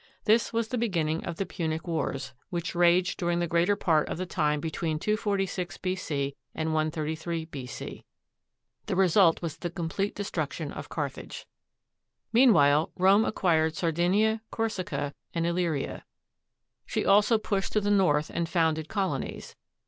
This was the beginning of the Punic Wars, which raged during the greater part of the time between 246 B.C. and 133 B.C. The result was the complete destruction of Carthage. Meanwhile, Rome acquired Sardinia, Corsica, and Illyria. She also pushed to the north and founded colonies.